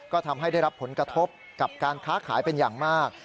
ก็ทำให้ได้รับผลกระทบกับการค้าขายเป็นอย่างมาก